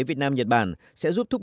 bắt đầu xây dựng nguồn nguồn